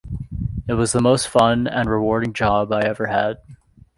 It was the most fun and rewarding job I have ever had.